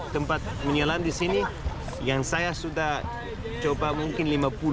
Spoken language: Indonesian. tempat menyelam di sini yang saya sudah coba mungkin lima puluh